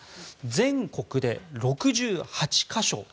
全国で６８か所。